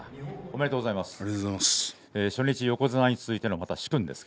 おめでとうございます。